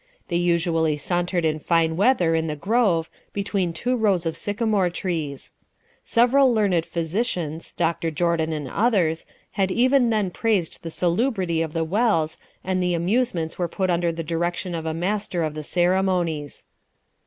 They usually sauntered in fine weather in the grove, between two rows of sycamore trees. Several learned physicians, Dr. Jorden and others, had even then praised the salubrity of the wells, and the amusements were put under the direction of a master of the ceremonies.